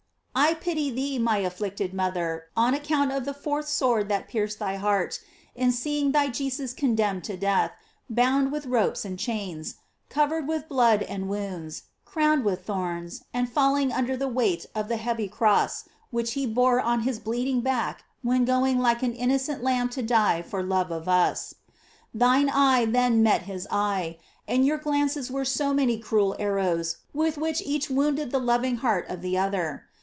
— I pity thee, my afflicted mother, on account of the fourth sword that pierced thy heart, in seeing thy Jesus condemned to death, bound with ropes and chains, covered GLORIES OF MARY. 775 with blood and wounds, crowned with thorns, and falling under the weight of the heavy cross which he bore on his bleeding back when going like an innocent lamb to die for love of us. Thine eye then met his eye, and your glances were so many cruel arrows with which each wounded the loving heart of the other.